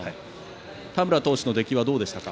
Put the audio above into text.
田村投手の出来はどうでした。